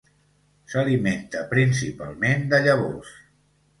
S'alimenta principalment de llavors.